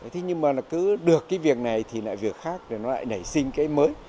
thế nhưng mà cứ được cái việc này thì lại việc khác nó lại nảy sinh cái mới